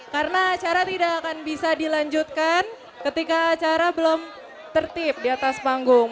karena acara tidak akan bisa dilanjutkan ketika acara belum tertip di atas panggung